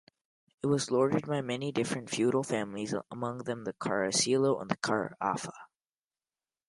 It was lorded by many different feudal families, among them the Caracciolo and Carafa.